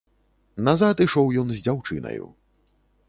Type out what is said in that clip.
Назад ішоў ён з дзяўчынаю.